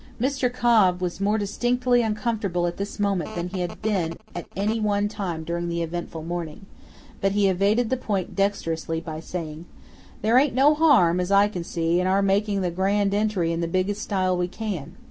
Mr. Cobb was more distinctly uncomfortable at this moment than he had been at any one time during the eventful morning, but he evaded the point dexterously by saying, "There ain't no harm, as I can see, in our makin' the grand entry in the biggest style we can.